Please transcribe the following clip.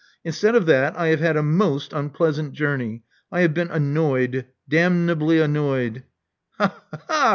Instead of that, I have had a most unpleasant journey. I have been annoyed — damnably annoyed." *'Ha! ha!"